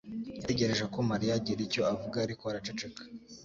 yategereje ko Mariya agira icyo avuga, ariko araceceka.